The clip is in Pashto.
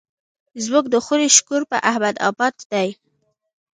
زموږ د خونې شکور په احمد اباد دی.